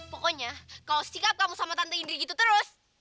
pokoknya kalau sikap kamu sama tante indri gitu terus